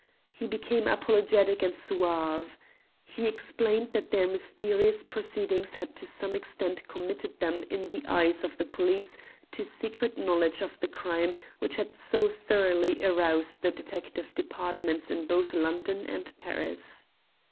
He became apologetic and suave. He explained that their mysterious proceedings had to some extent committed them in the eyes of the police to secret knowledge of the crime which had so thoroughly aroused the detective departments in both London and Paris.